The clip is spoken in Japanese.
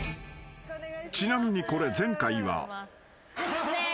［ちなみにこれ前回は］ねえ。